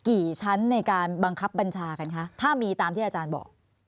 ชั้นในการบังคับบัญชากันคะถ้ามีตามที่อาจารย์บอก